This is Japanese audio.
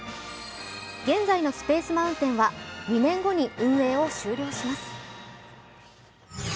現在のスペース・マウンテンは２年後に運営を終了します。